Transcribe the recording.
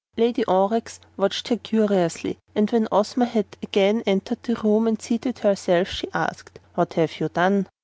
Lady Aurex watched her curiously and, when Ozma had again entered the room and seated herself, she asked: "What have you done?"